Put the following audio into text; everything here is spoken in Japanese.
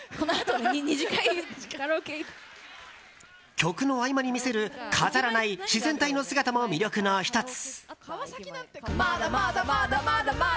曲の合間に見せる飾らない自然体の姿も魅力の１つ。